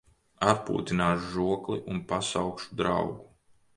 Atpūtināšu žokli un pasaukšu draugu.